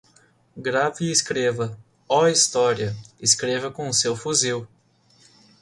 Grave e escreva, ó história, escreva com seu fuzil